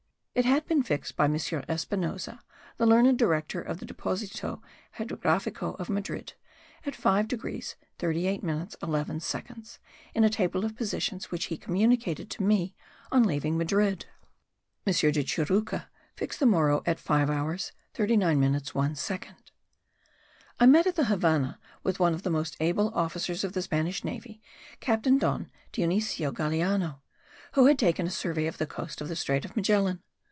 It had been fixed by M. Espinosa, the learned director of the Deposito hidrografico of Madrid, at 5 degrees 38 minutes 11 seconds, in a table of positions which he communicated to me on leaving Madrid. M. de Churruca fixed the Morro at 5 hours 39 minutes 1 second. I met at the Havannah with one of the most able officers of the Spanish navy, Captain Don Dionisio Galeano, who had taken a survey of the coast of the strait of Magellan.